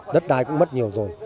đất đai cũng mất nhiều rồi